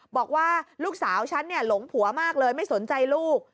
บอกว่าลูกสาวฉันหลงผัวมากเลยไม่สนใจลูก